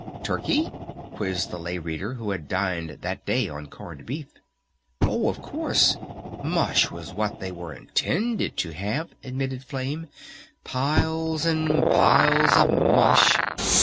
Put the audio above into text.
"Turkey?" quizzed the Lay Reader who had dined that day on corned beef. "Oh, of course, mush was what they were intended to have," admitted Flame. "Piles and piles of mush!